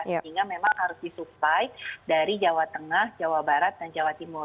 sehingga memang harus disupply dari jawa tengah jawa barat dan jawa timur